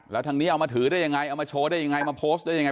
แล้วทางนี้เอามาถือได้ยังไงเอามาโชว์ได้ยังไงมาโพสต์ได้ยังไง